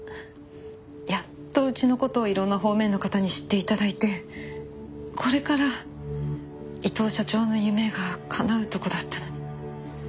やっとうちの事をいろんな方面の方に知って頂いてこれから伊藤社長の夢がかなうところだったのに。